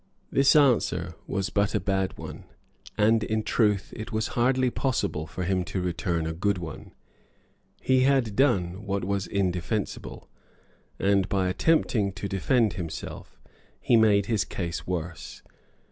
This answer was but a bad one; and, in truth, it was hardly possible for him to return a good one. He had done what was indefensible; and, by attempting to defend himself, he made his case worse.